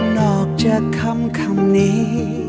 นอกจากคำนี้